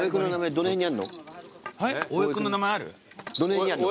どの辺にあるの？